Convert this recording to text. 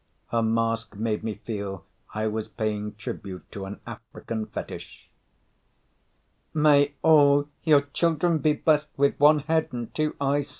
Her mask made me feel I was paying tribute to an African fetish. "May all your children be blessed with one head and two eyes, sir."